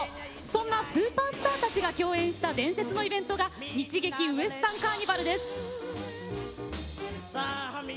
そんなスーパースターたちが共演した伝説のイベントが日劇ウエスタンカーニバルです。